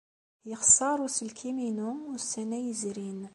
Yexṣer uselkim-inu ussan-a yezrin.